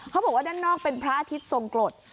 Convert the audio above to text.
เขาบอกว่าด้านนอกเป็นพระอาทิตย์ทรงกรด